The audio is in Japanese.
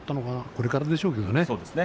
これからでしょうけれどね。